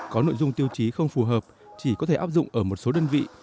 có nội dung tiêu chí không phù hợp chỉ có thể áp dụng ở một số đơn vị